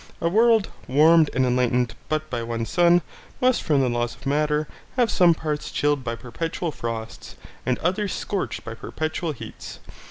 A world, warmed and enlightened but by one sun, must from the laws of matter have some parts chilled by perpetual frosts and others scorched by perpetual heats.